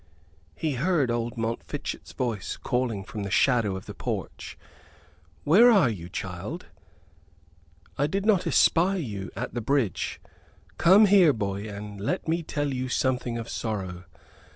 He heard old Montfichet's voice, calling from the shadow of the porch. "Where are you, child? I did not espy you at the bridge. Come here, boy, and let me tell to you something of sorrow.